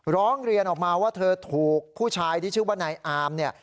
ร้องเรียนออกมาว่าเธอถูกผู้ชายที่ชื่อว่านายอามเนี่ย